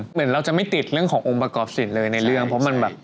เหมือนเราจะไม่ติดเรื่องขององค์ประกอบสิทธิ์เลยในเรื่องเพราะมันแบบ